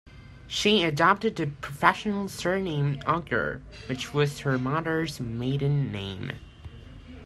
She adopted the professional surname Ogier, which was her mother's maiden name.